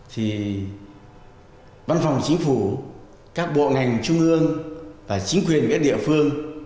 thì văn phòng chính phủ các bộ ngành trung ương và chính quyền các địa phương